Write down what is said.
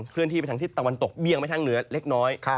เลื่อนที่ไปทางที่ตะวันตกเบี้ยงไปทางเหนือเล็กน้อย